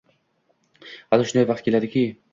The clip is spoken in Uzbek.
Hali shunday vaqt keladi-ki